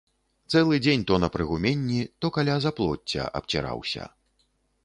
Цэлы дзень то на прыгуменні, то каля заплоцця абціраўся.